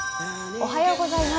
おはようございます。